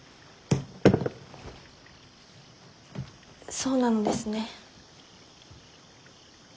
そうなのですね。